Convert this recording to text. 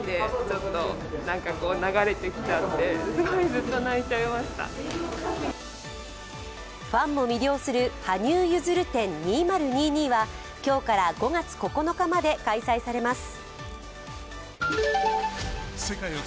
実際に見た人はファンも魅了する羽生結弦展２０２２は、今日から５月９日まで開催されます。